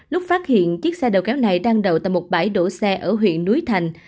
lúc phát hiện chiếc xe đầu kéo này đang đậu tại một bãi đổ xe ở huyện núi thành